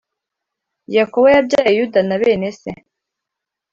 Yakobo yabyaye Yuda na bene se,